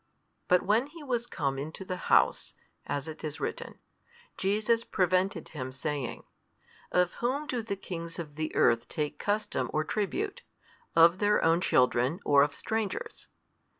But when he was come into the house, as it is written, Jesus prevented him, saying, of whom do the kings of the earth take custom or tribute? of their own. children or of strangers?